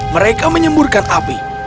mereka menyemburkan api